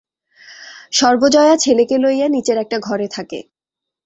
সর্বজয়া ছেলেকে লইয়া নিচের একটা ঘরে থাকে।